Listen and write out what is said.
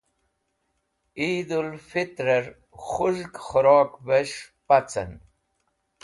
Eid ul Fitrer Khuzhg Khurok ves̃h Pacen